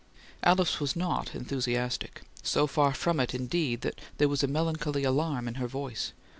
Alice was not enthusiastic; so far from it, indeed, that there was a melancholy alarm in her voice.